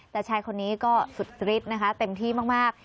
แต่ชายคนนี้ก็สุดฤทธิ์นะคะเต็มที่มาก